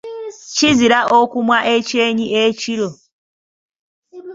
Kizira okwemwa ekyenyi ekiro.